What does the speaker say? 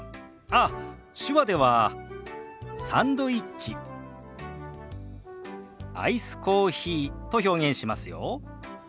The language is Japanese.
ああ手話では「サンドイッチ」「アイスコーヒー」と表現しますよ。